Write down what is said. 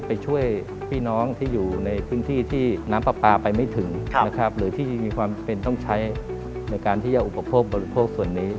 ไปช่วยพี่น้องที่อยู่ในพื้นที่ที่น้ำปลาปลาไปไม่ถึงนะครับหรือที่มีความเป็นต้องใช้ในการที่จะอุปโภคบริโภคส่วนนี้